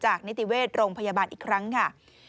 นิติเวชโรงพยาบาลอีกครั้งค่ะ